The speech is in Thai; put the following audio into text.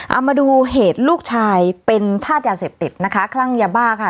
เอามาดูเหตุลูกชายเป็นธาตุยาเสพติดนะคะคลั่งยาบ้าค่ะ